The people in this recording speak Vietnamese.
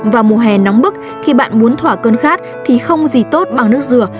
vào mùa hè nóng bức khi bạn muốn thỏa cơn khát thì không gì nên uống nước dừa